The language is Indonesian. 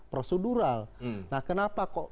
prosedural nah kenapa kok